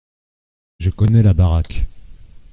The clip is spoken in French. Je connais la baraque.